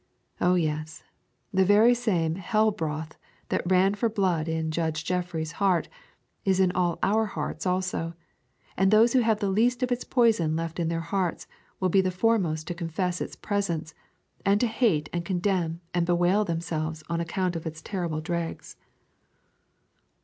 O yes, the very same hell broth that ran for blood in Judge Jeffreys' heart is in all our hearts also; and those who have the least of its poison left in their hearts will be the foremost to confess its presence, and to hate and condemn and bewail themselves on account of its terrible dregs.